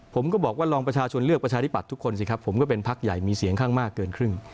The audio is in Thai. ผมก็บอกว่าลองประชาชนเลือกประชาธิบัตย์ทุกคนสิครับผมก็เป็นพักใหญ่มีเสียงข้างมากเกินครึ่ง